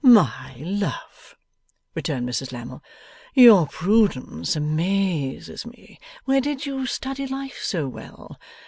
'My love,' returned Mrs Lammle, 'your prudence amazes me where DID you study life so well!